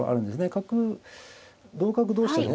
角同角同飛車でね